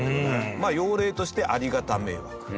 用例としてありがた迷惑。